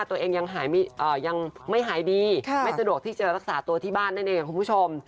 ตัวเองยังไม่หายดีไม่สะดวกที่จะรักษาตัวที่บ้านนั่นเองคุณผู้ชม